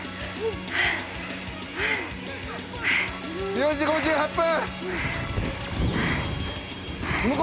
４時５８分！